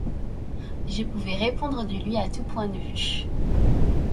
Je pouvais répondre de lui à tous points de vue.